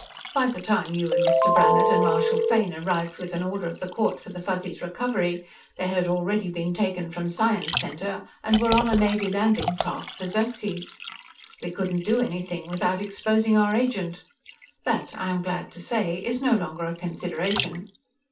"By the time you and Mr. Brannhard and Marshal Fane arrived with an order of the court for the Fuzzies' recovery, they had already been taken from Science Center and were on a Navy landing craft for Xerxes. We couldn't do anything without exposing our agent. That, I am glad to say, is no longer a consideration."